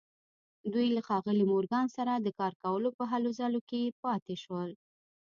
دوی له ښاغلي مورګان سره د کار کولو په هلو ځلو کې پاتې شول